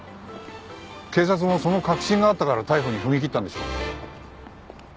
警察もその確信があったから逮捕に踏み切ったんでしょう？